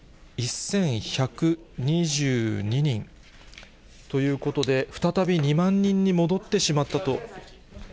２万１１２２人ということで、再び２万人に戻ってしまったと。